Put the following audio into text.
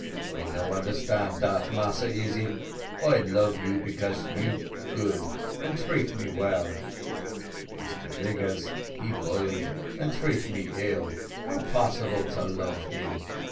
"I no understand dat, Massa Easy I love you, because you good, and treat me well Mr Vigors, he bully, and treat me ill how possible to love him?